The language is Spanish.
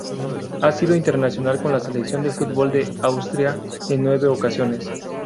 Ha sido internacional con la Selección de fútbol de Austria en nueve ocasiones.